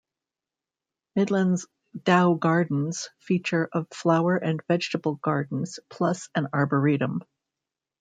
Midland's Dow Gardens feature of flower and vegetable gardens, plus an arboretum.